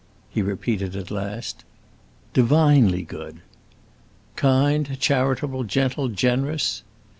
he repeated at last. "Divinely good!" "Kind, charitable, gentle, generous?"